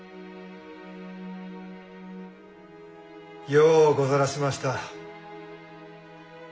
ようござらしました。